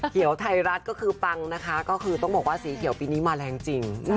เขียวไทยรัฐก็คือปังนะคะก็คือต้องบอกว่าสีเขียวปีนี้มาแรงจริง